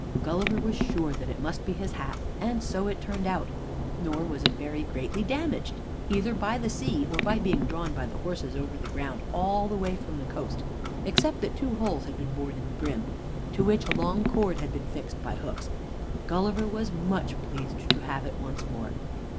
Gulliver was sure that it must be his hat, and so it turned out. Nor was it very greatly damaged, either by the sea or by being drawn by the horses over the ground all the way from the coast, except that two holes had been bored in the brim, to which a long cord had been fixed by hooks. Gulliver was much pleased to have it once more.